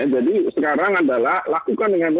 jadi sekarang adalah lakukan dengan